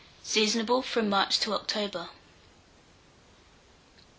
Seasonable from March to October.